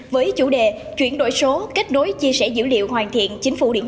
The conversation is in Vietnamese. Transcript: với chủ đề chuyển đổi số kết nối chia sẻ dữ liệu hoàn thiện chính phủ điện tử